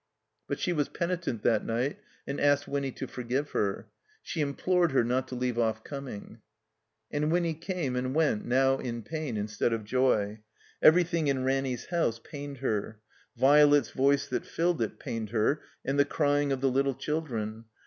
But she was penitent that night and asked Winny to forgive her. She implored her not to leave off coming. And Winny came and went now in pain instead of joy. Everything in Ranny's house pained her. Violet's voice that filled it pained her, and the cry ing of the little children.